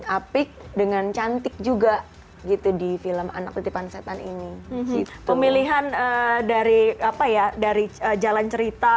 apik dengan cantik juga gitu di film anak titipan setan ini pemilihan dari apa ya dari jalan cerita